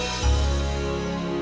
kalau hari hari pertama itu biasa